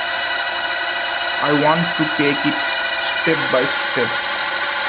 I want to take it step by step.